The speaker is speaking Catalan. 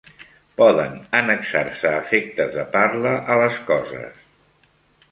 Poden annexar-se efectes de parla a les Coses.